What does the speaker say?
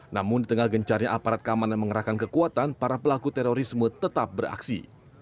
namun di tengah gencarnya aparat keamanan mengerahkan kekuatan para pelaku terorisme tetap beraksi